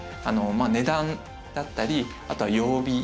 値段だったりあとは曜日とかですね